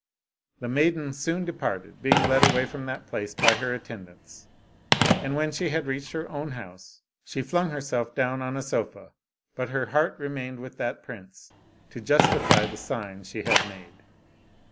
The maiden soon departed, being led away from that place by her attendants, and when she had reached her own house, she flung herself down on a sofa, but her heart remained with that prince, to justify the sign she had made.